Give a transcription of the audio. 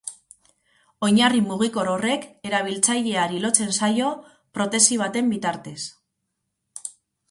Oinarri mugikor horrek erabiltzaileari lotzen zaio protesi baten bitartez.